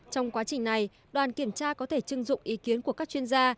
trong quá trình này đoàn kiểm tra có thể chưng dụng ý kiến của các chuyên gia